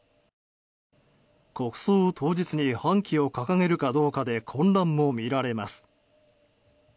国葬当日に半旗を掲げるかどうかで混乱もみられます。